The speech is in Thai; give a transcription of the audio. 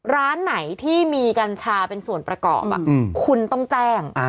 ร้านไหนที่มีกัญชาเป็นส่วนประกอบคุณต้องแจ้ง